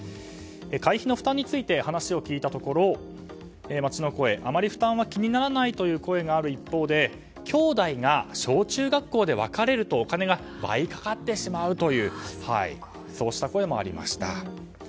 会費の負担について話を聞いたところ街の声、あまり負担は気にならないという声がある一方できょうだいが小中学校で分かれるとお金が倍かかってしまうというそうした声もありました。